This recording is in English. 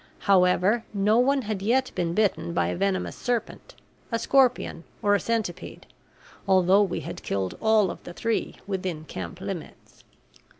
However, no one had yet been bitten by a venomous serpent, a scorpion, or a centipede, although we had killed all of the three within camp limits.